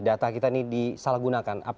data kita ini disalah gunakan